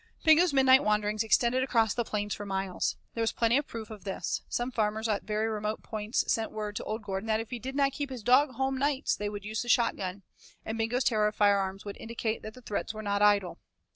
Bingo's midnight wanderings extended across the plains for miles. There was plenty of proof of this. Some farmers at very remote points sent word to old Gordon that if he did not keep his dog home nights, they would use the shot gun, and Bingo's terror of firearms would indicate that the threats were not idle.